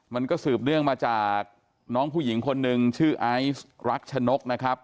มันก็สืบเนื่องมาจากน้องผู้หญิงคนหนึ่งชื่อไอซ์รักชนกนะครับ